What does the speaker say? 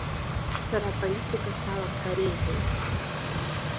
Сара аполитика салам ҳәа реиҳәеит.